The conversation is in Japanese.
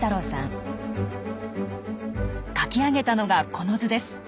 書き上げたのがこの図です。